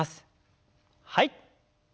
はい。